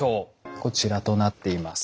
こちらとなっています。